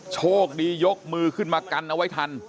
โชคดียกมือขึ้นมากันเอาไว้ทัน